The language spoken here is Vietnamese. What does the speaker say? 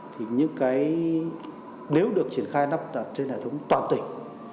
thì những cái nếu được triển khai lắp đặt trên hệ thống toàn tỉnh